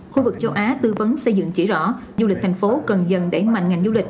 khu vực châu á tư vấn xây dựng chỉ rõ du lịch thành phố cần dần đẩy mạnh ngành du lịch